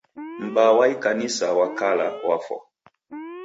M'baa wa ikanisa wa kala wafwa.